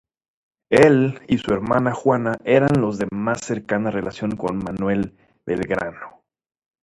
Él y su hermana Juana eran los de más cercana relación con Manuel Belgrano.